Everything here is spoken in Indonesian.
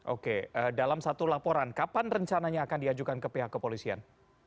oke dalam satu laporan kapan rencananya akan diajukan ke pihak kepolisian